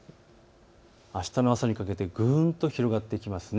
あしたの朝にかけてぐんと広がっていきます。